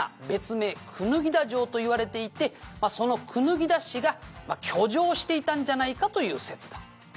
別名椚田城といわれていてその椚田氏が居城していたんじゃないかという説だ」